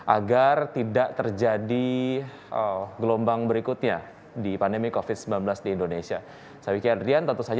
agar tidak terjadi globalisasi